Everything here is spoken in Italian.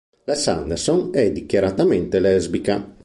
La Sanderson è dichiaratamente lesbica.